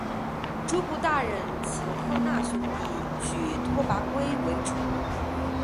诸部大人请贺讷兄弟举拓跋圭为主。